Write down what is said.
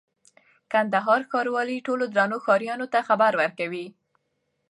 کندهار ښاروالي ټولو درنو ښاريانو ته خبر ورکوي: